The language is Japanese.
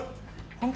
本当？